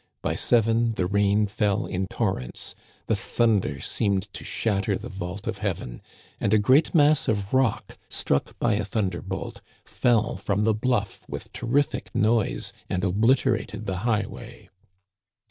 By seven the rain fell in torrents ; the thunder seemed to shatter the vault of heaven, and a great mass of rock, struck by a thunder bolt, fell from the bluff with terrific noise and obliterated the highway.